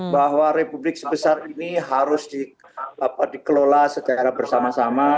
bahwa republik sebesar ini harus dikelola secara bersama sama